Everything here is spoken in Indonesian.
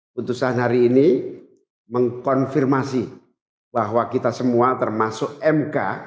putusan hari ini mengkonfirmasi bahwa kita semua termasuk mk